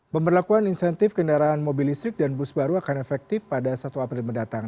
pemberlakuan insentif kendaraan mobil listrik dan bus baru akan efektif pada satu april mendatang